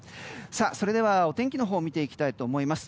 それではお天気のほうを見ていきたいと思います。